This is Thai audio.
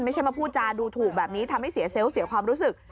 ไม่ใช่มาพูดจาดูถูกแบบนี้ทำให้เสียเซลล์เสียความรู้สึก